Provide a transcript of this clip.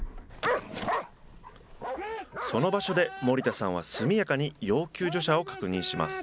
その場所で森田さんは速やかに要救助者を確認します。